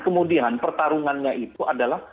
kemudian pertarungannya itu adalah